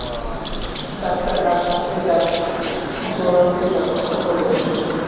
Doctor আজ এসে তার জোলাপের ব্যবস্থা করে গেছেন।